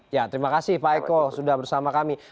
ya terima kasih pak eko sudah bersama kami